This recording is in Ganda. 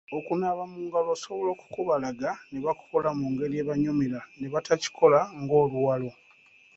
Okunaaba mu ngalo osobola okukubalaga ne bakukola mu ngeri ebanyumira ne batakikola ng’oluwalo.